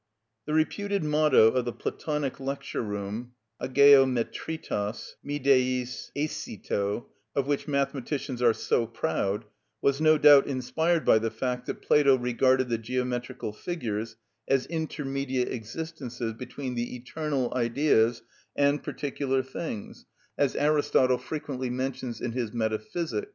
The reputed motto of the Platonic lecture room, "Αγεωμετρητος μηδεις εισιτω," of which mathematicians are so proud, was no doubt inspired by the fact that Plato regarded the geometrical figures as intermediate existences between the eternal Ideas and particular things, as Aristotle frequently mentions in his "Metaphysics" (especially i. c.